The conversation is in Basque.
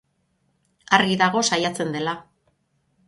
Argi dago saiatzen dela.